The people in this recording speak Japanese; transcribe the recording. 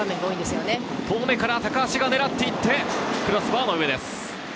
遠めから高橋が狙っていってクロスバーの上です。